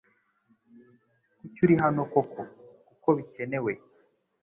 Kuki uri hano koko kuko bikenewe